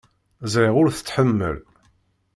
Ẓriɣ ur t-tḥemmel.